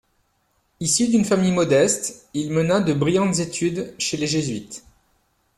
Issu d'une famille modeste, il mena de brillantes études chez les jésuites.